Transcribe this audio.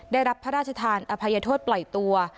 ได้รับพระราชทานอภัยโทษปล่อยตัว